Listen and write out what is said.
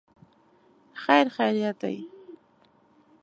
خیر خیریت دی.